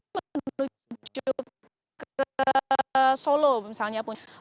menuju ke solo misalnya